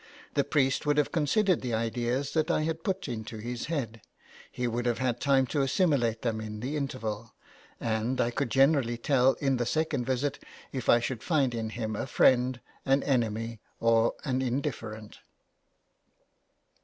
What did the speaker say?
The priest would have considered the ideas that I had put into his head, he would have had time to assimilate them in the interval, and I could generally tell in the second visit if I should find in him a friend, an enemy, or an in different.